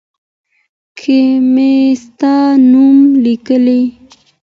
کي مي ستا نوم ليکلی